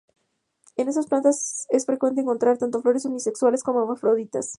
En estas plantas es frecuente encontrar tanto flores unisexuales, como hermafroditas.